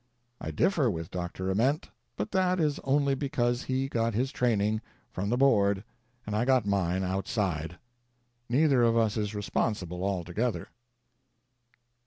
I differ with Dr. Ament, but that is only because he got his training from the Board and I got mine outside. Neither of us is responsible, altogether.